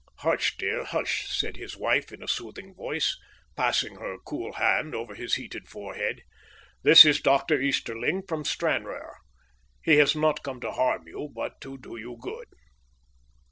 "Hush, dear, hush!" said his wife in a soothing voice, passing her cool hand over his heated forehead. "This is Doctor Easterling, from Stranraer. He has not come to harm you, but to do you good."